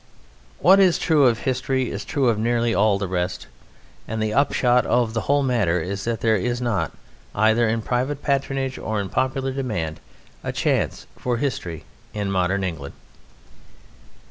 What is true of history is true of nearly all the rest, and the upshot of the whole matter is that there is not, either in private patronage or in popular demand, a chance for history in modern England.